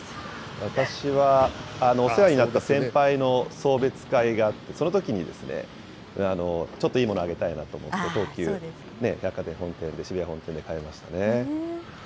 私はお世話になった先輩の送別会があって、そのときに、ちょっといいものあげたいなと思って、東急百貨店渋谷本店で買いましたね。